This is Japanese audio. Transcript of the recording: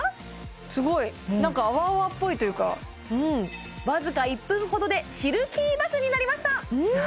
すごいなんかあわあわっぽいというかわずか１分ほどでシルキーバスになりました何？